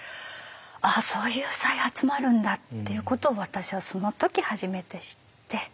あっそういう再発もあるんだっていうことを私はその時初めて知って。